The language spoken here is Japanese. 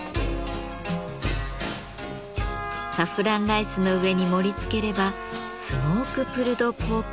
サフランライスの上に盛りつければ「スモークプルドポークライス」の完成。